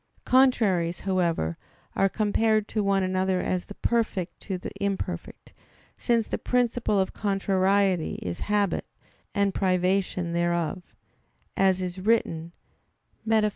Contraries, however, are compared to one another as the perfect to the imperfect, since the "principle of contrariety is habit, and privation thereof," as is written, _Metaph.